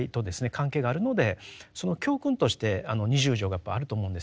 関係があるのでその教訓としてあの二十条がやっぱりあると思うんですよ。